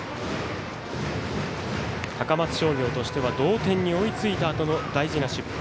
高松商業としては同点に追いついたあとの大事な守備。